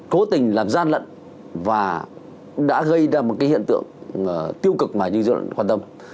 cố tình làm gian lận và đã gây ra một cái hiện tượng tiêu cực vào những dự luận quan tâm